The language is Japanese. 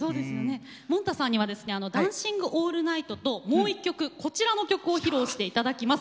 もんたさんには「ダンシング・オールナイト」ともう１曲こちらの曲を披露していただきます。